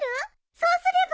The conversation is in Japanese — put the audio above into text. そうすれば。